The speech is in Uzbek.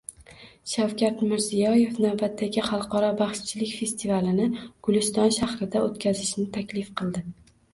Shavkat Mirziyoyev navbatdagi xalqaro baxshichilik festivalini Guliston shahrida o‘tkazishni taklif qildi